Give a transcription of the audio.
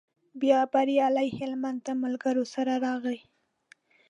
بیا بریالی هلمند له ملګرو سره راغی.